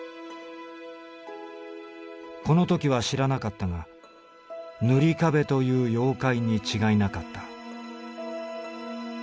「この時は知らなかったが“ぬり壁”という妖怪に違いなかった」。